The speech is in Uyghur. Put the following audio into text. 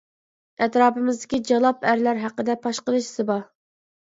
ئەتراپىمىزدىكى ‹ ‹جالاپ› › ئەرلەر ھەققىدە پاش قىلىش زىبا.